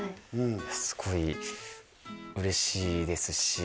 すごい嬉しいですし